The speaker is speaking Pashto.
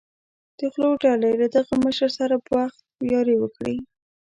د غلو ډلې له دغه مشر سره بخت یاري وکړي.